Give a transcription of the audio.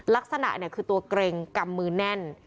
ลักษณะคือตัวเกร็งกำมือแน่น